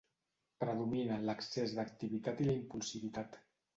Predomina l'excés d'activitat i la impulsivitat.